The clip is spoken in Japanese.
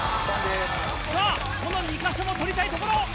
さぁこの２カ所も取りたいところ！